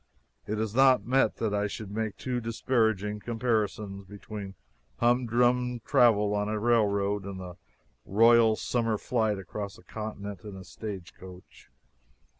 It is not meet that I should make too disparaging comparisons between humdrum travel on a railway and that royal summer flight across a continent in a stagecoach.